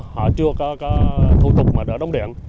họ chưa có thu tục mà đã đóng điện